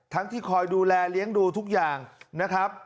ที่คอยดูแลเลี้ยงดูทุกอย่างนะครับ